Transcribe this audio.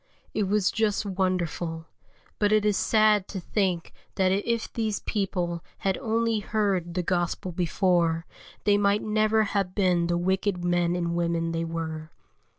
It was just wonderful; but it is sad to think that if these people had only heard the Gospel before, they might never have been the wicked men and women they were.